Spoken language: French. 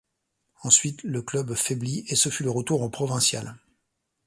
Ensuite, le club faiblit et ce fut le retour en Provinciale.